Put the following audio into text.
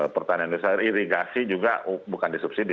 pertanian irigasi juga bukan disubsidi